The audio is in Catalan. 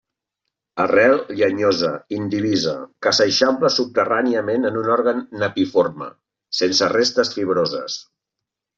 Arrel llenyosa, indivisa, que s'eixampla subterràniament en un òrgan napiforme, sense restes fibroses.